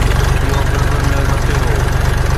اهو فلمن ۾ مٿي هو.